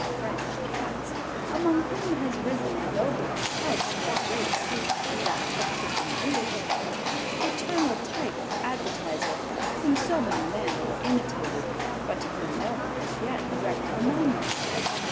French Cats, among whom has risen the noblest house of our race, that of Puss in Boots, eternal type of Advertiser, whom so many men have imitated but to whom no one has yet erected a monument.